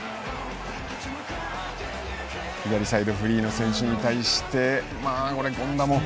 左サイド、フリーの選手に対して権田も。